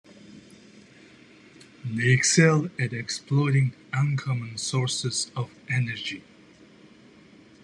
They excel at exploiting uncommon sources of energy.